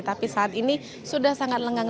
tapi saat ini sudah sangat lengang